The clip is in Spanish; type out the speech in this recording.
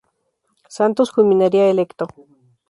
Santos culminaría electo.